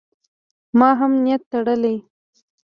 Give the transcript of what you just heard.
ما هم نیت تړلی.